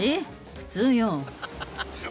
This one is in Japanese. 普通よ。